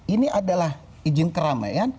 ini adalah izin keramaian